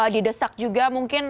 didesak juga mungkin